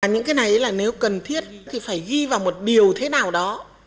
những cái này là nếu cần thiết thì phải ghi vào một điều thế nào đó